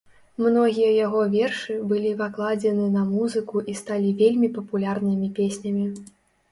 Многія яго вершы былі пакладзены на музыку і сталі вельмі папулярнымі песнямі.